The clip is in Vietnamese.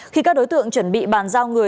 khi các đối tượng chuẩn bị bàn giao người